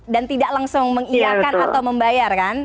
dan tidak langsung mengiakan atau membayar kan